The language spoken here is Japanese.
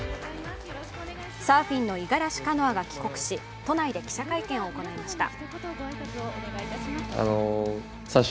サーフィンの五十嵐カノアが帰国し、都内で記者会見を行いました。